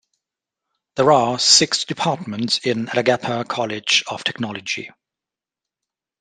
There are Six departments in Alagappa College of Technology.